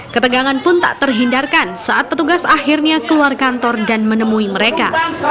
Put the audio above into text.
ketegangan pun tak terhindarkan saat petugas akhirnya keluar kantor dan menemui mereka